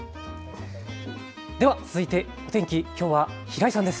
では続いてお天気、きょうは平井さんです。